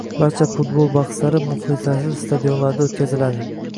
Barcha futbol bahslari muxlislarsiz stadionlarda o‘tkaziladi